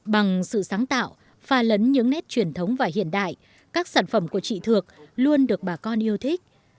bằng sự sáng tạo pha lấn những nét truyền thống và hiện đại các sản phẩm của chị thuộc luôn được bà con yêu thích